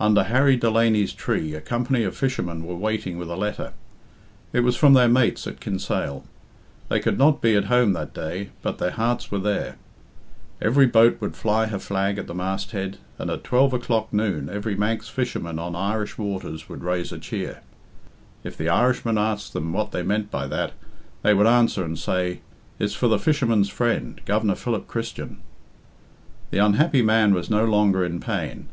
Under Harry Delany's tree a company of fishermen were waiting with a letter. It was from their mates at Kinsale. They could not be at home that day, but their hearts were there. Every boat would fly her flag at the masthead, and at twelve o'clock noon every Manx fisherman on Irish waters would raise a cheer. If the Irishmen asked them what they meant by that, they would answer and say, "It's for the fisherman's friend, Governor Philip Christian." The unhappy man was no longer in pain.